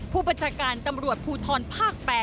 ผู้บัญชาการตำรวจภูทรภาค๘